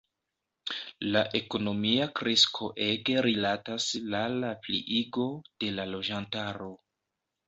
La ekonomia kresko ege rilatas la la pliigo de la loĝantaro.